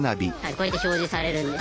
こうやって表示されるんです。